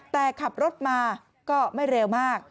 แต่ขับรถมาก็ไม่เร็วมาก